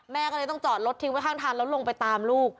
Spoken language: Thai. แม่ก็เลยต้องจอดรถทิ้งไว้ข้างทางแล้วลงไปตามลูก